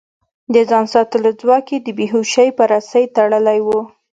د ځان ساتلو ځواک يې د بې هوشۍ په رسۍ تړلی و.